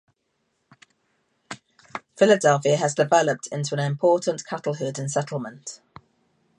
Filadelfia has developed into an important cattle herding settlement.